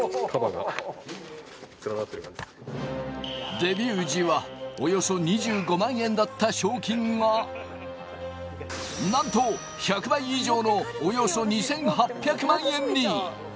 デビュー時はおよそ２５万円だった賞金が、なんと１００倍以上のおよそ２８００万円に。